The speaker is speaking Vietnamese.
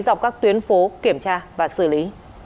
dọc các tuyến phố kiểm tra và xử lý